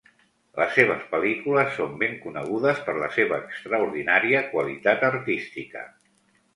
Les seves pel·lícules són ben conegudes per la seva extraordinària qualitat artística.